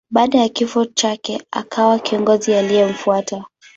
Baada ya kifo chake akawa kiongozi aliyemfuata.